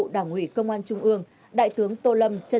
đúng không ạ